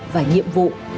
và nhiệm vụ